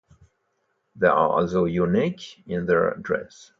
They are also unique in their dress.